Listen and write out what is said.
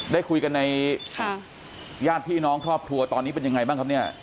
ได้คุยกันในญาติพี่น้องครอบครัวตอนนี้เป็นยังไงบ้างครับเนี่ย